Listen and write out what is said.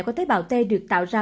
của tế bào t được tái hóa